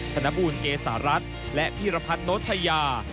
ธนบูลเกษารัฐและพีรพัฒน์โนชยา